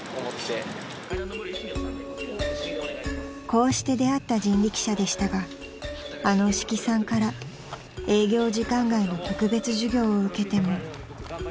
［こうして出合った人力車でしたがあの押木さんから営業時間外の特別授業を受けても］